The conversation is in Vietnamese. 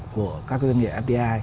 của các doanh nghiệp fdi